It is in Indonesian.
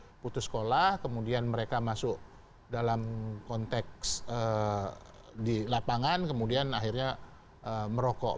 mereka putus sekolah kemudian mereka masuk dalam konteks di lapangan kemudian akhirnya merokok